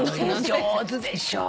上手でしょ。